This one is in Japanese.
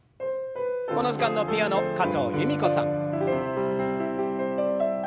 この時間のピアノ加藤由美子さん。